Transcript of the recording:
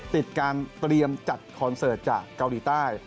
ติดการเตรียมจัดคอนเสิร์ตจากเกาหลีใต้